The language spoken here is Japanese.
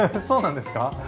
そうなんですか？